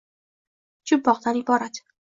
Jumboqdan iborat